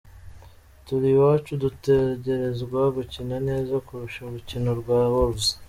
"Turi iwacu, dutegerezwa gukina neza kurusha urukino rwa Wolves.